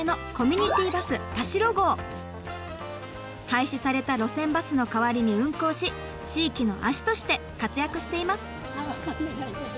廃止された路線バスの代わりに運行し地域の足として活躍しています。